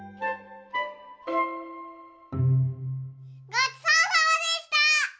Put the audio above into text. ごちそうさまでした！